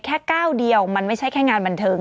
แค่ก้าวเดียวมันไม่ใช่แค่งานบันเทิง